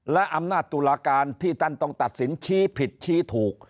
และอำนาจตุลาการที่ท่านต้องตัดสินชี้ผิดชี้ถูก